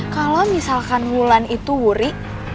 kalau misalkan wulan itu wuri